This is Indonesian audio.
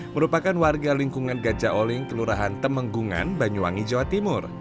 merupakan warga lingkungan gajah oling kelurahan temenggungan banyuwangi jawa timur